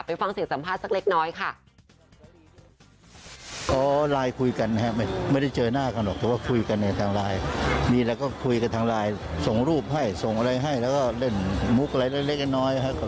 ฟังเสียงสัมภาษณ์สักเล็กน้อยค่ะ